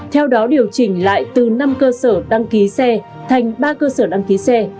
theo đó điều chỉnh lại từ năm cơ sở đăng ký xe thành ba cơ sở đăng ký xe